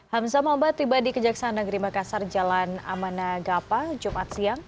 hamzah mambat tiba di kejaksaan negeri makassar jalan amana gapa jumat siang